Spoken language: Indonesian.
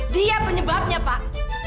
dia penyebabnya pak